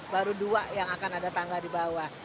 baru dua yang akan ada tangga di bawah